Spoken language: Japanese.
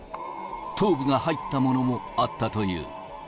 頭部が入ったものもあったという。